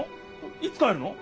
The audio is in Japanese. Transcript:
いつ帰るの？